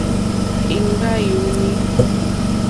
Ìŋɡbá yùùnî.